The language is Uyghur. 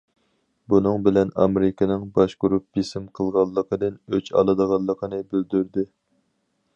بۇنىڭ بىلەن ئامېرىكىنىڭ باشقۇرۇپ بېسىم قىلغانلىقىدىن ئۆچ ئالىدىغانلىقىنى بىلدۈردى.